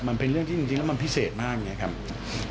มันเป็นเรื่องที่จริงแล้วมันพิเศษมากอย่างนี้ครับ